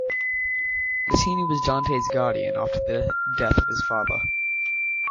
Latini was Dante's guardian after the death of his father.